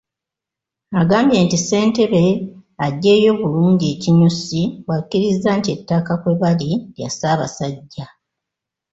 Agambye nti ssentebe aggyeeyo bulungi ekinyusi bw’akkiriza nti ettaka kwe bali lya Ssaabassajja.